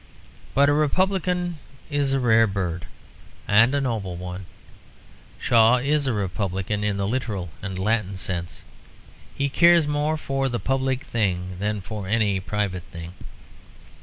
But a republican is a rare bird, and a noble one. Shaw is a republican in the literal and Latin sense; he cares more for the Public Thing than for any private thing.